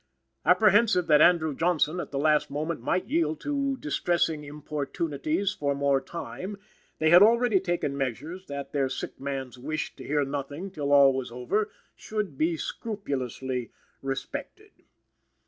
Apprehensive that Andrew Johnson, at the last moment, might yield to distressing importunities for more time, they had already taken measures that their sick man's wish to hear nothing till all was over should be scrupulously respected.